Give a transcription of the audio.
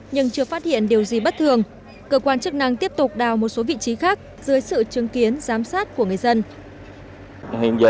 nhưng chưa phát hiện điều gì bất thường cơ quan chức năng tiếp tục đào một số vị trí khác dưới sự chứng kiến giám sát của người dân